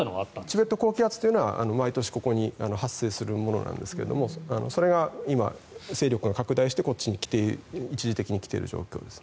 チベット高気圧は、毎年ここに発生するものなんですがそれが今、勢力が拡大してこっちに一時的に来ている状況です。